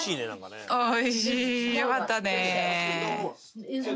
おいしいよかったね